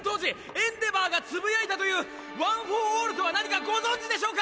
エンデヴァーが呟いたというワン・フォー・オールとは何かご存じでしょうか！？